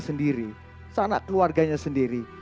sendiri sanak keluarganya sendiri